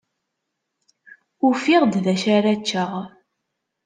Ufiɣ-d d acu ara ččeɣ.